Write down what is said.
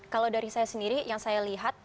kalau dari saya sendiri yang saya lihat